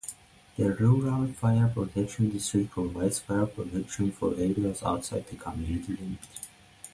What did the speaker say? The Rural Fire Protection District provides fire protection for areas outside the community limits.